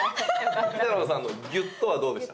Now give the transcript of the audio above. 北野さんの「ギュッと」はどうでした？